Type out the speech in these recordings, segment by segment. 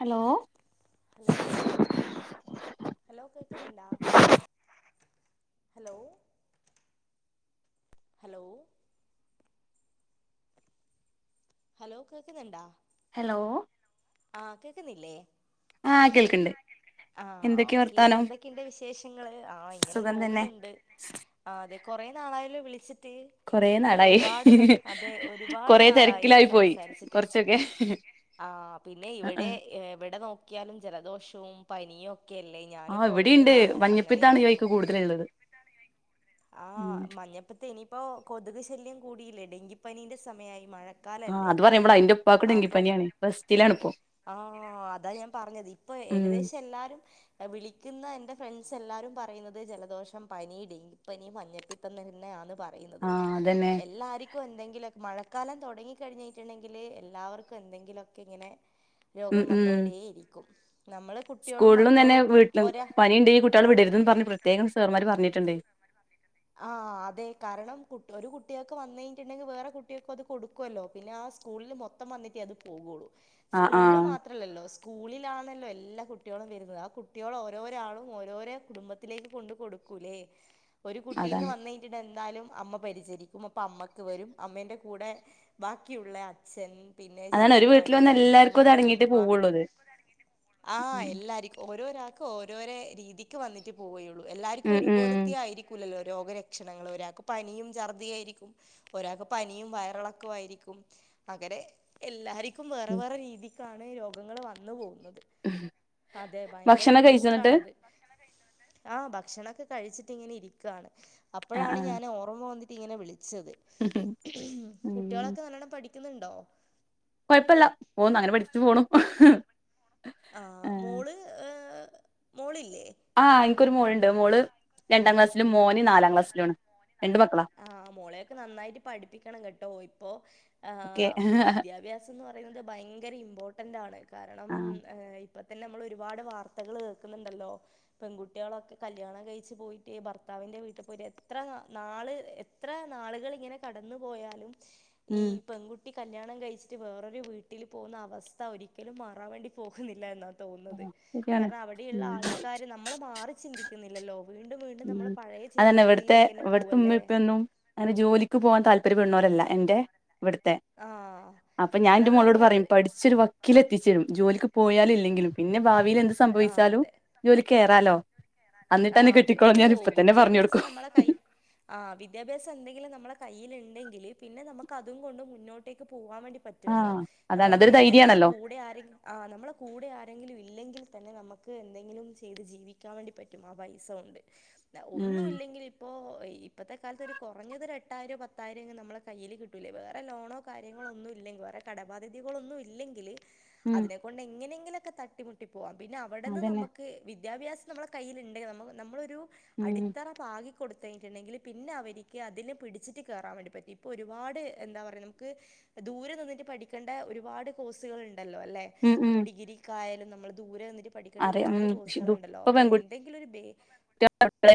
Hello hello hello കേൾക്കുന്നുണ്ടോ hello hello hello കേൾക്കുന്നുണ്ടാ hello ആഹ് കേക്കുന്നില്ലേ ആഹ് കേൾക്കണ്ട് ആഹ് ഓക്കേ എന്തൊക്കെ ഇണ്ട് വിശേഷങ്ങള് ആ ഇങ്ങനെ സുഖം തന്നെ പോകുന്നുണ്ട് ആഹ് അതെ കൊറേ നാളായല്ലോ വിളിച്ചിട്ട് കൊറേ നാളായി ഒരുപാട് ന അതെ ഒരുപാട് കൊറേ നാളായി തെരക്കിലായി പോയി സംസാരിച്ചിട്ട് കൊറച്ചൊക്കെ ആഹ് പിന്നെ ഇവിടെ എവിടെ നോക്കിയാലും ജലദോഷവും പനിയും ഒക്കെ അല്ലേ ഞാനും ആഹ് കൊറേ ഇവിടിണ്ട് നാള് അങ്ങനെ മഞ്ഞപ്പിത്താണ് ഈ ആയിരുന്നു വഴിക്ക് കൂടുതല്ള്ളത് ഉം ആഹ് മഞ്ഞപ്പിത്തം ഇനി ഇപ്പോൾ കൊതുക് ശല്യം കൂടിയില്ലേ ഡെങ്കിപ്പനീൻ്റെ സമയമായി മഴ ആഹ് അത് പറയുമ്പളാ എന്റെ ഉപ്പാക്ക്‌ ഡെങ്കിപ്പനിയാണ് റെസ്റ്റിലാണിപ്പോ ആഹ് അതാ ഞാൻ പറഞ്ഞത് ഇപ്പൊ ഉം ഏകദേശം എല്ലാരും വിളിക്കുന്ന എന്റെ ഫ്രണ്ട്സ് എല്ലാരും പറയുന്നത് ജലദോഷം പനി ഡെ ങ്കിപ്പനി മഞ്ഞപ്പിത്തം തന്നെ ആന്ന് പറയുന്നത് ആഹ് അതന്നെ എല്ലാ ർക്കും എന്തെങ്കിലുമൊക്കെ മഴക്കാലം തുടങ്ങി കഴിഞ്ഞിട്ടുണ്ടെങ്കിൽ എല്ലാവർക്കും എന്തെങ്കിലുമൊക്കെ ഇങ്ങനെ ഉം രോഗം ഉം വന്നോണ്ടേ ഇരിക്കും നമ്മള് കുട്ടികളും സ്കൂളിലും തന്നെ മക്കളും വീട്ടിലും ഒരാ പനിയുണ്ടെങ്കിൽ കുട്ടികളെ വിടരുതന്ന് പറഞ്ഞ് പ്രത്യേകം സാറൻമാർ പറഞ്ഞിട്ടുണ്ട് ആഹ് അതെ കാരണം കു ഒരു കുട്ടികൾക്ക് വന്ന് കഴിഞ്ഞുണ്ടെങ്കിൽ വേറെ കുട്ടികൾക്കും അത് കൊടുക്കു വല്ലോ പിന്നെ ആ സ്കൂളില് മൊത്തം വന്നിട്ടേ അത് പോകൂള്ളൂ ആഹ് സ്കൂളിൽ ആഹ് മാ ത്രല്ലല്ലോ സ്കൂളിലാണല്ലോ എല്ലാ കുട്ടികളും വരുന്നത് ആ കുട്ടിയോള് ഓരോരാളും ഓരോരേ കുടുംബ ത്തിലേക്ക് കൊണ്ട് കൊടുക്കൂല്ലേ ഒരു കുട്ടീന്ന് അതാണ് വന്ന് കഴിഞ്ഞിട്ടുണ്ടേൽ എന്തായാലും അമ്മ പരിചരിക്കും അപ്പൊ അമ്മക്ക് വരും അമ്മേൻ്റെ കൂടെ ബാക്കിയുള്ള അച്ഛൻ പിന്നെ അതാണ് ഒരു വീട്ടിൽ ചേച്ചിമാര് വന്ന എല്ലാർക്കും അത് അനിയത്തിമാര് അടങ്ങിയിട്ടേ ഉമ്മാ പോവുള്ളൂ അത് ആ ഉം എല്ലാർക്കും ഓരോരാക്കും ഓരോരോ രീതിക്ക് വന്നിട്ടേ പോവയൊള്ളു എല്ലാർക്കും ഒരു പോലത്തെ ഉം ആയിരി ക്കൂലല്ലോ രോഗരക്ഷണങ്ങള് ഒരാക്ക് പനിയും ഛർദിയായിരിക്കും ഒരാക്ക് പനിയും വയറിളക്കവും ആയിരിക്കും അങ്ങനെ എല്ലാർ ക്കും വേറെ ഉം വേറെ രീതിക്കാണ് രോഗങ്ങള് വന്ന് പോകുന്നത്. അതെ ഭയങ്കര ഭക്ഷണം കഴിച്ചോ ന്നിട്ട് ബുദ്ധിമുട്ടാണത് ഭക്ഷണം കഴിച്ചോ ആഹ് ഭക്ഷണവൊക്കെ കഴിച്ചിട്ട് ഇങ്ങനെ ഇരിക്കാണ് ആഹ് അപ്പഴാണ് ഞാന് ഓർ ർമ്മ വന്നിട്ടിങ്ങനെ വിളിച്ചത് ഉം കുട്ടികളൊക്കെ നല്ലോണം പഠിക്കുന്നുണ്ടോ കൊഴപ്പവില്ല പോവുന്നു അങ്ങനെ പഠിച്ചു പോണു ആഹ് മോള് ഏ മോളില്ലേ ആഹ് എനിക്കൊരു മോളുണ്ട് മോള് രണ്ടാം ക്ലാസ് ല് മോന് നാ നാലാം ക്ലാസ്സിലുംആണ്. ആഹ് മോളയൊക്കെ നന്നായിട്ട് പഠിപ്പിക്കണം കെട്ടോ ഇപ്പൊ. ഓക്കെ ആഹ് വിദ്യാഭ്യാസംന്ന് പറയുന്നത് ഭയങ്കര ഇമ്പോർട്ടന്റാണ് കാരണം ആഹ് ഏഹ് ഇപ്പൊ തന്നെ നമ്മളൊരുപാട് വാർത്തകള് കേക്ക്‌ന്നുണ്ടല്ലോ? പെങ്കുട്ടിയേളൊക്കെ കല്യാണം കഴിച്ച് പോയിട്ടേ ഭർത്താവിന്റെ വീ ട്ട്പോയിട്ട് എത്ര നാള് എത്ര നാള്കളിങ്ങനെ കടന്നു പോയാലും ഈ ഉം പെങ്കു കുട്ടി കല്യാണം കഴിച്ചിട്ട് വേറൊരു വീട്ടില് പോകുന്ന അവസ്ഥ ഒരിക്കലും മാറാൻ വേണ്ടി പോകുന്നില്ല എന്നാ തോന്നുന്നത്. ശരിയാണ് കാരണം അവിടെയിള്ള ഉം ആൾക്കാര് നമ്മള് മാറി ചിന്തിക്കുന്നില്ലല്ലോ? വീണ്ടും വീണ്ടും ഉം നമ്മള് പഴയ അതന്നെ ഇവ്ട്ത്തെ ചിന്താഗതിയിലേക്ക് തന്നെ പോവല്ലേ ഇവ്ട്ത്തെമ്മീപ്പീ ഒന്നും അങ്ങനെ ജോലിക്ക് പോകാൻ താല്പര്യടുന്നോരല്ല എന്റെ ഇവിട്ത്തെ ആഹ് അപ്പൊ ഞാൻ അതാ ഇന്റെ മോളോട് പറഞ്ഞത് പറയും പഠിച്ചൊരു വ ക്കിലെത്തിച്ചരും ജോലിക്ക് പോയാലും ഇല്ലെങ്കിലും. പിന്നെ ഭാവിയില് എന്ത് സംഭവിച്ചാലും ജോലിക്കേറാലോ? ക്കേറാലോ? ആഹ് അതെ ഒരു പറഞ്ഞു വിദ്യാഭ്യാസം നമ്മളെ കൊടുക്കും കൈ ആഹ് വിദ്യാഭ്യാസെന്തെങ്കിലും നമ്മളെ കയ്യില്ണ്ടെങ്കില് പിന്നെ നമുക്ക് അതും കൊണ്ട് മുന്നോട്ടേക്ക് പോവാൻ വേണ്ടി പ റ്റോല്ലോ? ആഹ് അതാണ് നമുക്ക് അതൊരു പിന്നെ നമ്മളെ ധൈര്യാണല്ലോ കൂടെ ആരെ ആഹ് നമ്മളെ കൂടെ ആരെങ്കിലും ഇല്ലെങ്കിൽ തന്നെ നമുക്ക് എന്തെങ്കിലും ചെയ്ത് ജീവി ക്കാൻ വേണ്ടിപറ്റും. ആ പൈസ ഒണ്ട്. ല്ല ഒന്നും ഉം ഇല്ലെങ്കിൽ ഇപ്പോ ഇപ്പത്തെ കാലത്തൊരു കൊറഞ്ഞതൊരു എട്ടായിരോ പത്തായിരോങ്കി നമ്മള കയ്യില് കിട്ടൂല്ലേ? വേറെ ലോണോ കാര്യങ്ങളൊന്നൂല്ലെങ്കി വേറെ കടബാധ്യതകളൊന്നും ഇല്ലെങ്കില് ഉം അതിനെ കൊണ്ട് എങ്ങനെങ്കിലൊക്കെ തട്ടിമുട്ടി പോവാം. പിന്നെ അവടെന്ന് അതന്നെ നമ്മക്ക് വിദ്യാഭ്യാ സം നമ്മളെ കയ്യില്ണ്ടെങ്കി നമുക്ക് നമ്മളൊരു ഉം അടിത്തറ പാകിക്കൊടുത്തഴിഞ്ഞട്ടുണ്ടെങ്കില് പിന്നെ അവരിക്ക് അതിൽ പിടിച്ചിട്ട് കേറാൻ വേണ്ടി പറ്റും. ഇപ്പോ ഒരുപാട് എന്താ പറയ നമുക്ക് ദൂരെ നിന്നിട്ട് പഠിക്കണ്ട ഒരുപാട് കോഴ്സുകള്ണ്ടല്ലോ അല്ലെ? ഉം ഉം ഇപ്പൊ ഡിഗ്രിക്കായാലും നമ്മള് ദൂരെ നിന്നിട്ട് പഠിക്കണ്ട അറിയ ഉം ഒരുപാട് കോഴ്സുകള്ണ്ടല്ലോ? ഇപ്പൊ പ്പൊ എന്തെങ്കിലും ഒരു ബേ [unintelligible]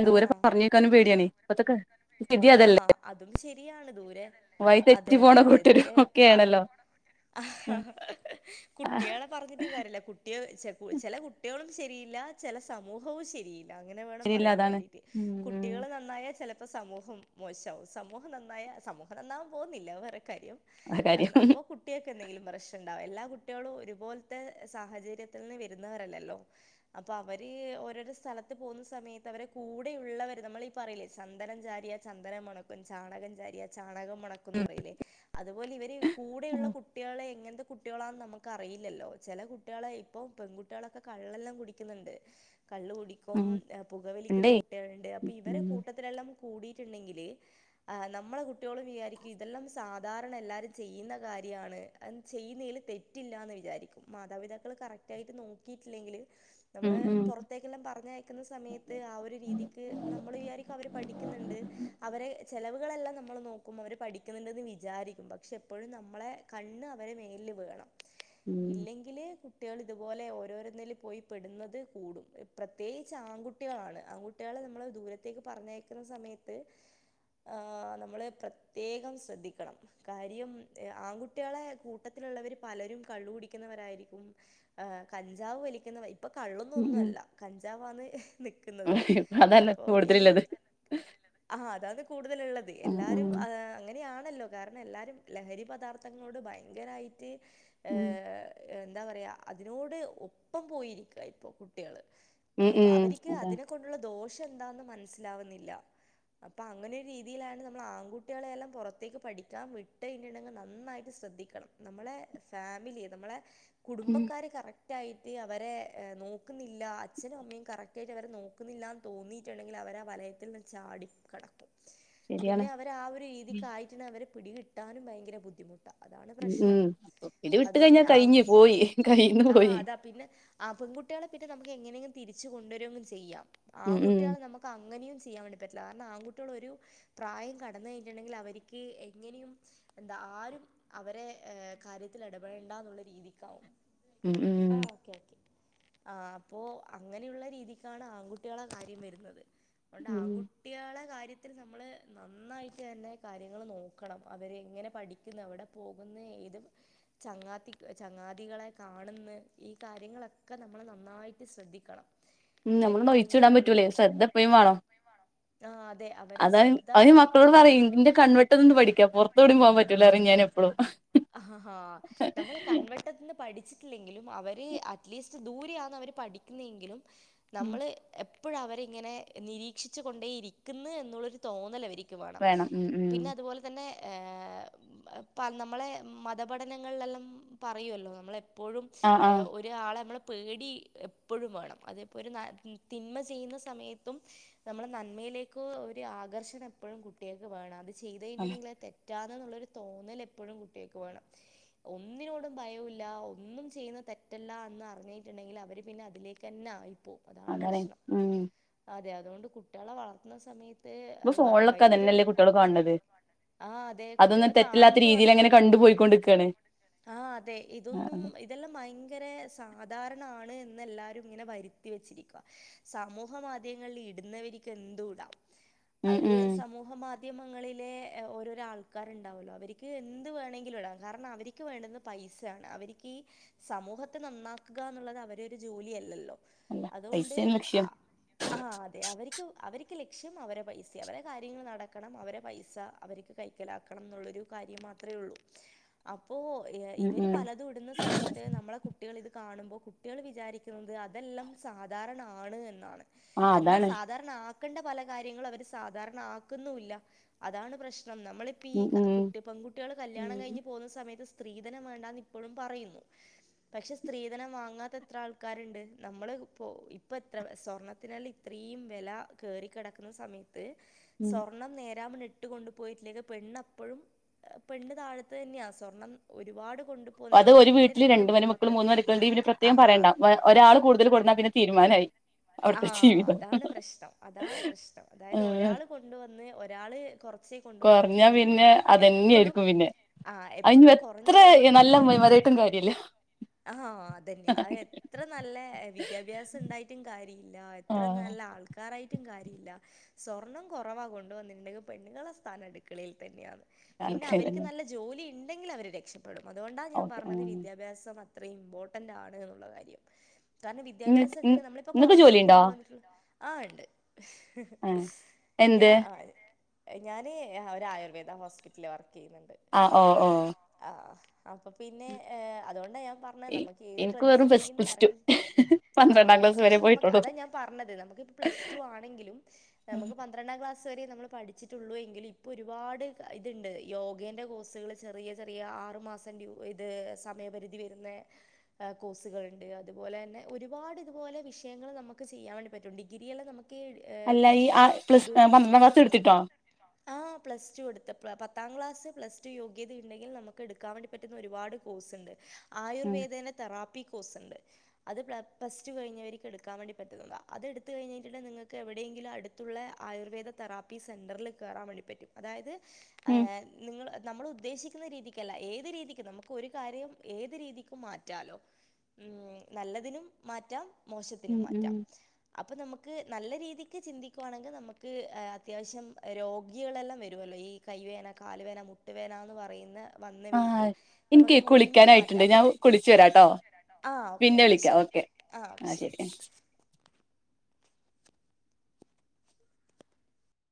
ആഹ് കുട്ടിയേള് ക്കാനും പേടിയാണേ. ഇപ്പത്തൊക്കെ ഠിക്കാനും പേടിയാണേ. സ്ഥിതി അതല്ലേ ആഹാ അതും ശരിയാണ് ദൂരെ നിന്ന് വഴി അതെ തെറ്റി അതെ പോണ അതെ കൂട്ടരും ദൂരെ പറഞ്ഞ് ഒക്കെയാണല്ലോ പോണത് കുട്ടികളെ പറഞ്ഞിട്ടും കാര്യല്ല. കുട്ടിയേ ചെ ചെല കുട്ടികളും ശരിയില്ല ചെല സമൂഹവും ശരിയി അങ്ങനെ വേണം ശരിയല്ല പറയാൻ അതാണ് വേണ്ടീട്ട് ഉം കുട്ടികള് നന്നായ ചെല ഇപ്പം സമൂഹം മോശാവും സമൂഹം നന്നായ സമൂഹം നന്നാകൻ പോകുന്നില്ല അത് വേറെ കാര്യം. ആ അത് കാര്യം അപ്പൊ കു കുട്ടിയക്കെ എന്തെങ്കിലും പ്രഷ ഉണ്ടാവോ എല്ലാ കുട്ടികളും ഒരുപോലത്തെ സാഹചര്യത്തിന്ന് വരുന്നവരല്ലല്ലോ അപ്പൊ അവര് ഓരോരോ സ്ഥലത്ത് പോകുന്ന സമയത്ത് അവരെ കൂടെയുള്ളവര് നമ്മളീ പറയിലേ ചന്ദനം ചാരിയ ചന്ദനം മണക്കും ചാണകം ചാരിയ ചാണകം മണക്കുന്ന് പറയില്ലേ അതുപോലെ ഇവര് കൂടെയുള്ള കുട്ടേളെ എങ്ങനത്തെ കുട്ടികളാന്ന് നമുക്ക് അറിയില്ലല്ലോ ചെല കുട്ടികളെ ഇപ്പൊ പെൺകുട്ടികളൊക്കെ കള്ളെല്ലാം കുടിക്കുന്നുണ്ട്. കള്ള് കുടിക്കും ഉം പുകവലിക്കുന്ന ഉണ്ടേ കുട്ടികളുണ്ട് അപ്പൊ ഇവരെ കു ഉം ട്ടത്തിലെല്ലാം കൂടിയിട്ടുണ്ടെങ്കില് ആഹ് നമ്മളെ കുട്ടികളും വിചാരിക്കും ഇതെല്ലാം സാധാരണ എല്ലാരും ചെയ്യുന്ന കാര്യാണ്. അതൊന്നും ചെയ്യുന്നയില് തെറ്റില്ലാന്ന് വിചാരിക്കും മാതാപിതാക്കൾ കറക്റ്റായിട്ട് നോക്കിയിട്ടില്ലെങ്കില് ഉം നമ്മള് ഉം പൊറത്തേക്കെല്ലാം പറഞ്ഞയക്കുന്ന സമയത്ത് ആ ഒരു രീതിക്ക് നമ്മള് വിചാരി ഇപ്പൊ അവർ പഠിക്കുന്നുണ്ട്. അവരെ ചെലവുകളെല്ലാം നമ്മള് നോക്കും അവര് പഠിക്കുന്നുണ്ടന്ന് വിചാരിക്കും പക്ഷെ എപ്പോഴും നമ്മളെ കണ്ണ് അവരെ മേലില് വേണം ഉം ഇല്ലെങ്കില് കുട്ടികൾ ഇതുപോലെ ഓരോരോന്നൽ പോയി പെടുന്നത് കൂടും പ്രത്യേകിച്ച് ആൺകുട്ടികളാണ് ആൺകുട്ടി കുട്ട്യാളെ നമ്മള് ദൂരത്തേക്ക് പറഞ്ഞയക്കുന്ന സമയത്ത് ആഹ് നമ്മള് പ്രത്യേകം ശ്രദ്ധിക്കണം. കാര്യം എഹ് ആങ്കുട്ടിയാളെ കൂട്ടത്തിലുള്ളവര് പലരും കള്ളു കുടിക്കുന്നവരായിരിക്കും. ആഹ് കഞ്ചാവ് വലിക്കുന്ന ഇപ്പൊ കള്ളൊന്നും ഉം ഉം ഒന്നുംല്ല കഞ്ചാവാന്ന് നിക്ക്ന്നത് അതല്ല അപ്പോ ഈ കൂടുതലുള്ളത് ആഹ് അതാണ് കൂടുതല്ള്ളത് ഉം ഉം എല്ലാരും ആഹ് അങ്ങനെയാണല്ലോ കാരണം എല്ലാരും ലഹരി പദാർത്ഥങ്ങളോട് ഭയങ്കരമായിട്ട് ഏഹ് ഏഹ് എന്താ പറയാ അതിനോട് ഒപ്പം പോയിരിക്ക ഇപ്പൊ കുട്ടികള് ഉം അപ്പൊ ഉം അവര്ക്ക് അതാ അതിനെ കൊണ്ടുള്ള ദോഷം എന്താന്ന് മനസ്സിലാവ്ന്നില്ല. അപ്പൊ അങ്ങനെ ഒരു രീതിയിലാണ് നമ്മൾ ആൺകുട്ടികളെയെല്ലാം പൊറത്തേക്ക് പഠിക്കാൻ വിട്ടഴിഞ്ഞട്ടുണ്ടെങ്കിൽ നന്നായിട്ട് ശ്രദ്ധി ക്കണം നമ്മളെ ഫാമിലി നമ്മളെ ഉം കുടുംബക്കാര് കറക് ക്റ്റായിട്ട് അവരെ എ നോക്കുന്നില്ല അച്ഛനും അമ്മയും കറക്റ്റായിട്ട് അവരെ നോക്കുന്നില്ലാന്ന് തോന്നിയിട്ടുണ്ടെങ്കിൽ അവരെ വലയത്തിൽ നിന്ന് ചാടി കടക്കും പിന്നെ ശരിയാണ് അവര് ആ ഒരു രീതിക്കായി റ്റ്നവരെ പിടികിട്ടാനും ഭയങ്കര ബുദ്ധിമുട്ടാ. അതാണ് ഉം ഉം പ്രശ്നം ഇത് വിട്ട് അതുകൊണ്ട് കഴിഞ്ഞാ ആഹ് കഴിഞ്ഞ് പോയി കയ്യിന്ന് ആഹ് പോയി അതാ പിന്നെ ആഹ് പെങ്കുട്ടിയാളെ പിന്നെ നമുക്ക് എങ്ങനെങ്കിലും തിരിച്ച് കൊണ്ടുവരോങ്കും ചെയ്യാം ഉം ഉം ആങ്കുട്ടിയാളെ നമ്മ ക്കങ്ങനെയും ചെയ്യാൻ വേണ്ടി പറ്റില്ല കാരണം ആൺുട്ടികളൊരു പ്രായം കടന്നഴിഞ്ഞട്ടുണ്ടെങ്കിൽ അവര്ക്ക് എങ്ങനെയും എന്താ ആരും അവരെ ഏഹ് കാര്യത്തിൽ എടപെടെണ്ടന്നുള്ള രീതിക്കാവും. ഉം ഉം ആഹ് ഓക്കെ ഓക്കെ ആഹ് അപ്പോ അങ്ങനെയുള്ള രീതിക്കാണ് ആൺകുട്ടിയാളെ കാര്യം വരുന്നത് അഹോണ്ട് ആൺകു ട്ടിയാളെ കാര്യത്തിൽ നമ്മള് നന്നായിട്ട് തന്നെ കാര്യങ്ങൾ നോക്കണം അവരെങ്ങനെ പഠി ക്കുന്നു എവിടെ പോകുന്ന് ഏത് ചങ്ങാത്തി ചങ്ങാതികളെ കാണ്ന്ന് ഈ കാര്യങ്ങളൊക്കെ നമ്മള് നന്നായിട്ട് ശ്രദ്ധിക്കണം. [inaudible] ഉം നമ്മളൊന്നും ഒഴിച്ച്ടാൻ പറ്റൂലേയ് ശ്രദ്ധ എപ്പയും വാണം. വാണം ആഹ് അതെ അവരെ ശ്രദ്ധ ആഹ് കൺവെട്ട്നിന്ന് പഠിക്ക പൊറത്തോടിം പോവാൻ പറ്റൂലാറിം ഞാനെപ്പഴും. ആഹ് നമ്മളെ കൺവെട്ടത്ത്ന്ന് പഠിച്ച് ച്ചിലെങ്കിലും അവര് അറ്റ്ലീസ്റ്റ് ദൂരെയാന്ന് അവര് പഠിക്കുന്നെയെങ്കിലും നമ്മള് എ പ്പഴും അവരെ ഇങ്ങനെ നിരീക്ഷിച്ച് കൊണ്ടേ ഇരിക്കുന്ന് എന്നുള്ളൊരു തോന്നൽ അവരി ക്ക് വേണം ഉം ഉം പിന്നെ അതുപോലെ തന്നെ ഏഹ് പ നമ്മളെ മതപഠനങ്ങളിലെല്ലാം പറയൊല്ലോ നമ്മളെ എപ്പോഴും ആഹ് എഹ് ഒര് രാളെ മ്മളെ പേടി എപ്പൊഴും വേണം അത്പ്പൊഒരു ന തിന്മ ചെയ്യുന്ന സമയത്തും നമ്മളെ നന്മയിലേക്ക് ഒരു ആകർഷണം എപ്പഴും കുട്ടിയാക്ക് വേണം അത് ചെയ്തു ആഹ് കഴിഞ്ഞ്ട്ട്ണ്ടെങ്കില് അത് തെറ്റാന്നെന്നുള്ളരു തോന്നൽ എപ്പൊഴും കുട്ടിയാക്ക് വേണം ഒന്നിനോടും ഭയുല്ല ഒന്നും ചെയ്യുന്ന തെറ്റല്ല എന്ന് അറിഞ്ഞിട്ടുണ്ടെങ്കിൽ അവര് പിന്നെ അതിലേ ക്കെന്നെ ആയിപ്പോവും അതാണ് പ്രശ്നം അതെ അതോണ്ട് കുട്ടിയാളെ വളർത്തുന്ന സമയ ത്ത് ഇപ്പൊ ഭ ഫോണിലൊക്കെ ഭയങ്കരൊരു അതന്നെല്ലേ കുട്ടികള് കാണണത് ആഹ് അതെ അതൊന്നും കുട്ടിയാള് തെറ്റില്ലാത്ത കാണുന്നതും രീതിയിൽ അങ്ങനെ അതെന്നെയാ കണ്ടു [unintelligible] ങ്ങനെ കണ്ട് പോയിക്കൊണ്ടിക്കാണ് [unintelligible] ആഹ് അതെ ഇതൊന്നും ഇ തെല്ലാം ഭയങ്കര സാധാരണാണ് എന്ന് എല്ലാരും ഇങ്ങനെ വരുത്തി വെച്ചിരിക്ക സാമൂഹ മാധ്യങ്ങളിൽ ഇട്ന്നവര്ക്ക് എന്തുടാം ഉം അവര് ഉം സമൂഹ മാധ്യമങ്ങളിലെ ഓരോരോ ആൾക്കാര്ണ്ടാവൊല്ലോ അവര്ക്ക് എന്ത് വേണ ങ്കിലും ഇടാ കാരണം അവര്ക്ക് വേണ്ടുന്നെഹ് പൈസയാണ് അവര്ക്ക് സമൂഹത്തെ നന്നാക്കുകഎന്നുള്ളത് അവരെ ഒരു ജോലിയല്ലല്ലോ അല്ല അതുകൊണ്ട് പൈസയാണ് ആ ലക്ഷ്യം ആഹ് അതെ അവര്ക്ക് അവര്ക്ക് ലക്ഷ്യം അവരെ പൈസ്യാ അവരെ കാര്യങ്ങൾ നടക്കണം അവരെ പൈസ അവര്ക്ക് കൈക്കലാക്കണംന്നുള്ളൊരു കാര്യം മാത്രേ ഉള്ളൂ അപ്പോ എ ഉം ഇവര് ഉം പലതും ഇടുന്ന സമയ ത്ത് നമ്മളെ കുട്ട്യേളിത് കാണുമ്പോ കുട്ട്യേള് വിചാരിക്ക്ന്നത് അതെല്ലാം സാധാരണാണ് എന്നാണ് ആഹ് എന്നാ അതാണ് സാ ധാരണക്കണ്ട പല കാര്യങ്ങളും അവര് സാധാരണ ആക്കുന്നു ഇല്ല അതാണ് പ്രശ്നം നമ്മളി പ്പി ഈ ഉം കുട്ടി പെങ്കുട്ടിയാള് കല്യാണം ഉം കഴിഞ്ഞ് പോകുന്ന സമയത്ത് സ്ത്രീധനം വേണ്ടാന്ന് ഇപ്പോഴും പറയുന്നു പക്ഷെ സ്ത്രീധനം വാങ്ങാത്ത എത്ര ആൾക്കാര്ണ്ട് നമ്മള് ഇപ്പോ ഇപ്പ എത്ര സ്വർണ്ണത്തിനെല്ല ഇത്രീം വെല കേറി കെടക്ക്ന്ന സമയത്ത് ഉം സ്വർണം നേരാമണം ഇട്ട് കൊണ്ടുപോയിട്ടില്ലെകിൽ പെണ്ണ് അപ്പഴും പെണ്ണ് താഴത്തു തന്നെയാ സ്വർണം ഒരുപാട് കൊണ്ട് അത് ഒരു വീട്ടില് രണ്ട് മരുമക്കൾ മൂന്ന് മരുക്കളുണ്ട് പിന്നെ ആ പ്രത്യേകം പറയണ്ട ഒരാള് കൂടുതൽ കൊട്ന്നാപിന്നെ തീരുമാനമായി അവിടുത്തെ ആഹ് ജീവിതം അതാണ് പ്രശ്നം അതാണ് പ്രശ്നം അതായത് ഒരാള് കൊണ്ടുവന്ന് ഒരാള് കൊർ കൊറഞ്ഞാ പിന്നെ അതെന്നേര്ക്കും പിന്നെ ആ എപ്പോഴും കുറഞ്ഞ ആയിഞ്ഞെത്രെ നല്ല പെൺമക്കൾക്ക് അമ്മായിമ്മാരായിട്ടും കാര്യല്ലാ ആഹ് അതെന്യാ അഹ് എത്ര നല്ല വിദ്യാഭ്യാസം ഇണ്ടായിറ്റും കാര്യ ഇല്ല എത്ര ആഹ് നല്ല ആൾക്കാരായിറ്റും കാര്യ ഇല്ല സ്വർണം കൊറവാ കൊണ്ട് വന്ന്ണ്ടെങ്ങെ പെണ്ണുങ്ങളെ സ്ഥാനം അടുക്കളയിൽ തന്നെയാന്ന് പിന്നെ ആൾക്കാര് അവര്ക്ക് തന്നെ നല്ല ജോലി ഇണ്ടെങ്കില് അവര് രക്ഷപ്പെടും. അതുകൊണ്ടാ ഓക്കെ ഞാപറഞ്ഞത് ആഹ് വിദ്യാഭ്യാസം മ ത്രഇമ്പോർട്ടന്റ് ആണ്ന്നുള്ള കാര്യം കാരണം ഇങ്ങക്ക് വിദ്യാഭ്യാസംണ്ടെങ്കെ നമ്മളിപ്പോ പൊറ ഇങ്ങക്ക് ജോലിണ്ടോ രു ണ്ടോ ആഹ് ഉണ്ട് ആഹ് ഞാ എന്ത് ആ ര് [unintelligible] തിന്റെ ഞാന് അഹ് ഒരു ആയുർവേദ ഹോസ്പിറ്റൽല് വർക്കെയ്യ്ന്ന്ണ്ട് ആഹ് ഒ ഓ ആഹ് അപ്പൊ പി പിന്നെ ഏ അതുകൊണ്ടാഞാപറഞ്ഞഹ് നമുക്കേത് എനിക്ക് വെറും പ്ലസ് പ്രതിസന്ധിയും പ്ലസ് ടു തരണം ചെ ആഹ് പന്ത്രണ്ടാം ക്ലാസ് വരെ പക്ഷെ നമുക്ക് പോയിട്ടുള്ളൂ അതാ ഞാൻ പറഞ്ഞത് നമുക്ക്പ്പൊ പ്ലസ് ടു ആണെങ്കിലും നമുക്ക് പ പന്ത്രണ്ടാം ക്ലാസ് വരേം നമ്മള് പഠിച്ചിട്ടൊള്ളൂ എങ്കില് ഇപ്പൊരുപാട് കാ ഇതുണ്ട് യോഗേൻ്റെ കോഴ്സുകള് ചെറിയ ചെറിയ ആറു മാസം ന്റ്യു ഇത് സമയപരിധി വെര്ന്നെ എ കോഴ്സുകള്ണ്ട് അതുപോലെന്നെ ഒരുപാട് ഇത്പോലെ വിഷ് ഷയങ്ങള് നമുക്ക് ചെയ്യാൻ വേണ്ടി പറ്റും ഡിഗ്രിയെല്ലം നമുക്ക് അല്ല ഈ കുറച്ച് ആ പ്ലസ് പന്ത്രണ്ടാം ക്ലാസ് ഇട്ത്തിട്ടോ ആഹ് ആഹ് പ്ലസ് ടു എടുത്തപ്പള് പത്താം ക്ലാസ് പ്ലസ്ടു യോഗ്യതയിണ്ടെങ്കിൽ നമുക്ക് ഇട്ക്കാൻ വേണ്ടി പറ്റുന്ന ഒരുപാട് കോഴ്സ് ണ്ട് ഉം ആയുർവേദേനെ തെറാപ്പി കോഴ്സ്ഇണ്ട് അത് പ്ല പ്ലസ് ടു കഴിഞ്ഞവര്ക്ക് ഇട്ക്ക ക്കാം വേണ്ടി പറ്റുന്നതാ അതെട്ത്ത് കഴിഞ്ഞിട്ട്ണ്ടെ നിങ്ങക്ക് എവിടേങ്കിലും അടുത്തുള്ള ആയുർവേദ തെറാപ്പി സെറ്റർല് കെറാൻ വേണ്ടി പറ്റും അതായത് ഏഹ് നിങ്ങള് നമ്മള് ഉദ്ദേശിക്കുന്ന രീതി ക്കല്ല ഏത് രീതിക്ക് നമുക്ക് ഒരു കാര്യം ഏത് രീതിക്കും മാറ്റാലോ ഉം നല്ലതിനും മാറ്റാം മോശത്തിനും ഉം ഉം മാറ്റാം അപ്പൊ നമുക്ക് നല്ല രീതിക്ക് ചിന്തിക്കുവാണെങ്കെ നമുക്ക് അത്യാവശ്യം രോഗികളെല്ലാം വരുവല്ലോ ഈ കൈ വേന, കാല് വേന, മുട്ടുവേനന്ന് പറയുന്ന ആഹ് വന്നവർക്ക് ആയി ഇന്ക് നമുക്ക് ഒഴിഞ്ഞു കുളിക്കാനായിട്ട്ണ്ട് മാറ്റാൻ ഞാൻ പറ്റും കുളിച്ച് വരാട്ടോ ആ ഓക്കെ പിന്നെ വിളിക്കാം ശരി ഓക്കെ ആ ഓക്കെ ആഹ് ശരി